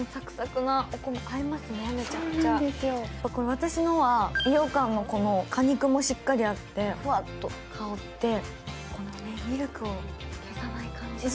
私のは伊予かんの果肉もしっかりあってふわっと香ってこのね、ミルクを消さない感じ。